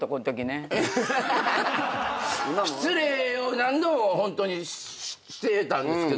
失礼を何度もホントにしてたんですけど。